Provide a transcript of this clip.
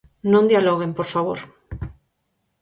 Non dialoguen, por favor.